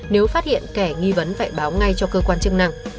nếu phát hiện kẻ nghi vấn phải báo ngay cho cơ quan chức năng